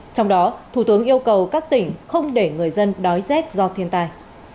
trong đó thủ tướng yêu cầu các tỉnh không để người dân đói rét do thiên tai